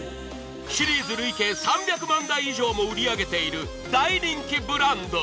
シリーズ累計３００万台以上も売り上げている大人気ブランド。